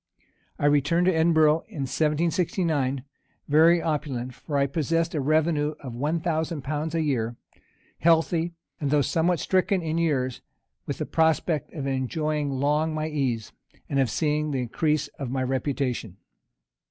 I returned to Edinburgh in 1769, very opulent, (for I possessed a revenue of one thousand pounds a year,) healthy, and though somewhat stricken in years, with the prospect of enjoying long my ease, and of seeing the increase of my reputation.